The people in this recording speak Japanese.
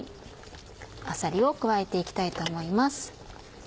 あさりを加えて行きたいと思います。